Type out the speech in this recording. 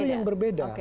itu yang berbeda